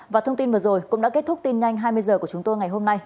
và thông tin vừa rồi cũng đã kết thúc tin nhanh hai mươi h của chúng tôi ngày hôm nay